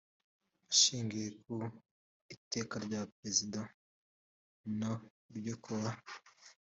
ashingiye ku iteka rya perezida no… ryo kuwa